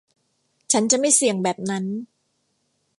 ฉันจะไม่เสี่ยงแบบนั้น